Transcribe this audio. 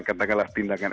katakanlah tindakan efisien